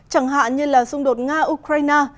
chẳng hạn như xung đột nga ukraine